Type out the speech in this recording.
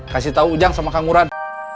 kasih tau ujang sama kang uran